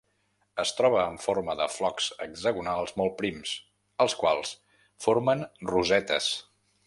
Es troba en forma de flocs hexagonals molt prims, els quals formen rosetes.